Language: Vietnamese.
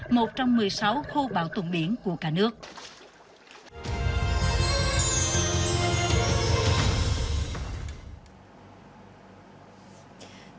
một trong một mươi sáu khu bảo tồn biển của cả nước